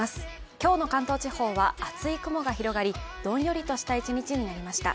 今日の関東地方は厚い雲が広がり、どんよりとした一日になりました。